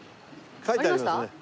書いてありますね。